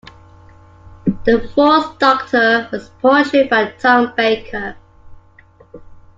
The Fourth Doctor was portrayed by Tom Baker.